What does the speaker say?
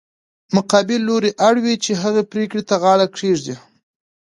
مقابل لوری اړ وي چې هغې پرېکړې ته غاړه کېږدي.